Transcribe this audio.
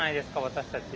私たち。